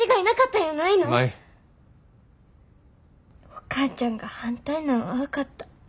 お母ちゃんが反対なんは分かった。